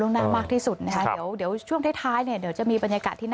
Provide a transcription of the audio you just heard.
ลงนั้นมากที่สุดนะครับเดี๋ยวช่วงท้ายจะมีบรรยากาศที่นั่น